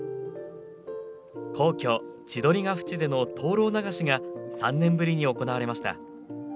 皇居・千鳥ヶ淵での「灯ろう流し」が３年ぶりに行われました。